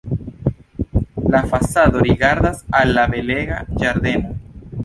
La fasado rigardas al la belega ĝardeno.